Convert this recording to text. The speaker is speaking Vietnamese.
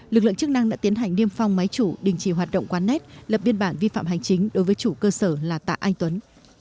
lực lượng chức năng đã tiến hành niêm phong máy chủ đình chỉ hoạt động quán nét lập biên bản vi phạm hành chính đối với chủ cơ sở là tạ anh tuấn